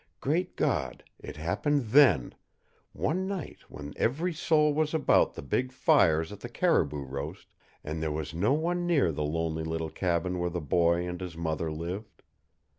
Great God, it happened THEN one night when every soul was about the big fires at the caribou roast, and there was no one near the lonely little cabin where the boy and his mother lived.